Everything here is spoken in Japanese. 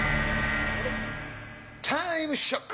タイムショック！